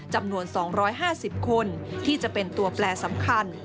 จำนวน๒๕๐คนที่จะเป็นตัวแปลสำคัญ